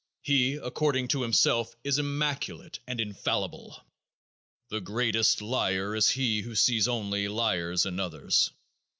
He, according to himself, is immaculate and infallible. The greatest liar is he who sees only liars in others.